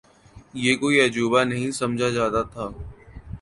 یہ کوئی عجوبہ نہیں سمجھا جاتا تھا۔